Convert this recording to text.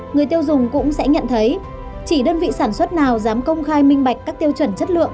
người tiêu dùng cũng sẽ nhận thấy chỉ đơn vị sản xuất nào dám công khai minh bạch các tiêu chuẩn chất lượng